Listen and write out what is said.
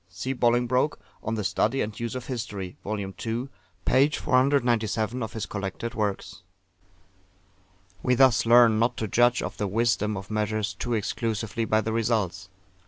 [See Bolingbroke, On the Study and Use of History, vol. ii. p. 497 of his collected works.] We thus learn not to judge of the wisdom of measures too exclusively by the results.